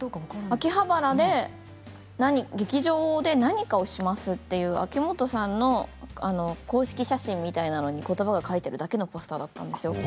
秋葉原で劇場で何かをしますって秋元さんの公式写真みたいなものに言葉が書いてあるだけのポスターだったんですよ。